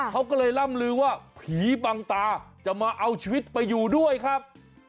เขาก็เลยล่ำลือว่าผีบังตาจะมาเอาชีวิตไปอยู่ด้วยครับ